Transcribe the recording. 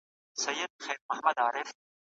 حوصله ملتونو ته نوی ژوند وربښي.